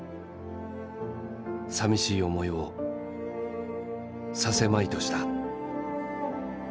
寂しい思いをさせまいとした。